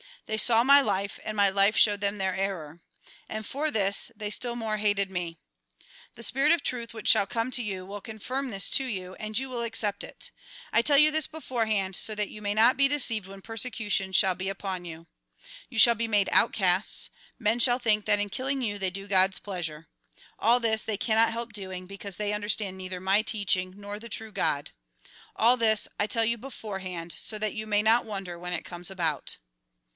They saw my life, and my life showed them their error. And for this they stQI more hated me. The spirit of truth which shall come to you, will confirm this to you. And you will accept it. I tell you this beforehand, so that you may not be deceived when persecutions shall be upon you. You shall be made outcasts; men shall think that in killing you they do God's pleasure. All this they cannot help doing, because they understand neither my teaching nor the true God. All this I tell you beforehand, so that you may not wonder when it comes about.